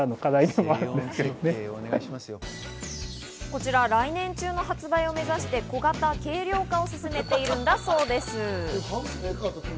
こちら、来年中の発売を目指して、小型、軽量化を進めているんだそうです。